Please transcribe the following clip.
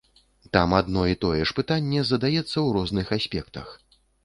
Там адно і тое ж пытанне задаецца ў розных аспектах.